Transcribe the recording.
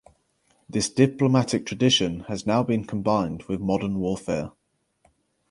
This diplomatic tradition has now been combined with modern warfare.